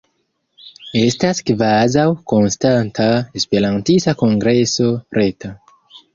Estas kvazaŭ konstanta Esperantista Kongreso Reta.